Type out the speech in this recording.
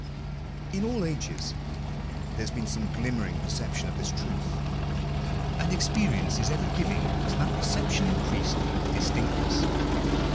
In all ages there has been some glimmering perception of this truth ; and experience is ever giving to that perception increased distinctness.